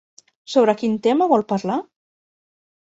Sobre quin tema vol parlar?